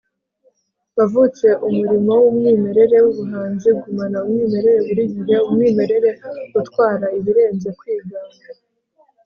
wavutse umurimo wumwimerere wubuhanzi gumana umwimerere burigihe umwimerere utwara ibirenze kwigana